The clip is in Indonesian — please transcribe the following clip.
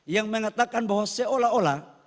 yang mengatakan bahwa seolah olah